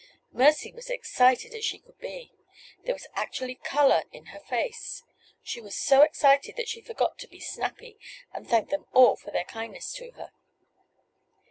Mercy was as excited as she could be. There was actually color in her face. She was so excited that she forgot to be snappy, and thanked them all for their kindness to her.